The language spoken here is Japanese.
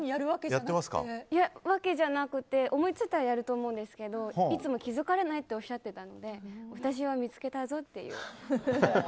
いや、そういうわけじゃなくて思いついたらやると思うんですけどいつも気づかれないっておっしゃってたので私は見つけたぞっていう。